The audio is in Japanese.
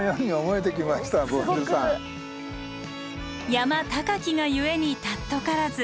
山高きが故に貴からず。